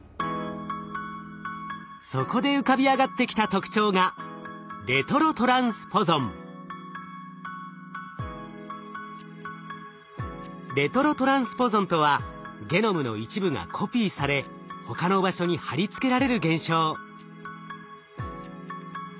そこで浮かび上がってきた特徴がレトロトランスポゾンとはゲノムの一部がコピーされ他の場所に貼り付けられる現象。